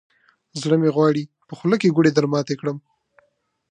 زړه مې غواړي، په خوله کې ګوړې درماتې کړم.